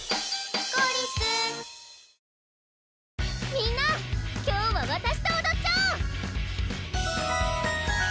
みんな今日はわたしとおどっちゃおう！